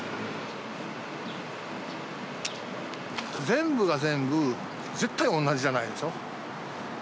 全部が全部、絶対同じじゃないでしょ。